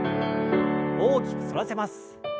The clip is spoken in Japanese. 大きく反らせます。